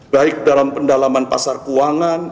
baik dalam pendalaman pasar keuangan